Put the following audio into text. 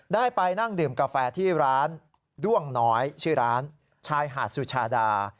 ได้ไปนั่งดื่มกาแฟที่ร้านด้วงน้อยชื่อร้านชายหาดสุชาดา